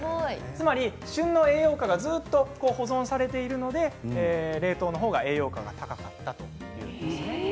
つまり旬の栄養価がずっと保存されているので冷凍の方が栄養価が高かったということなんです。